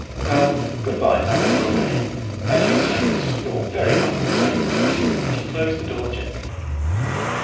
Well, good bye, Madame Bovary. At your service; your very humble servant." And he closed the door gently.